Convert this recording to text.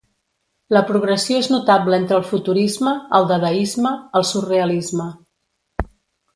La progressió és notable entre el futurisme, el dadaisme, el surrealisme.